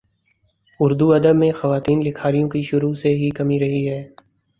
اردو ادب میں خواتین لکھاریوں کی شروع ہی سے کمی رہی ہے